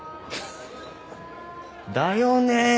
だよね？